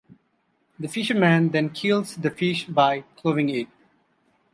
The fisherman then kills the fish by clubbing it.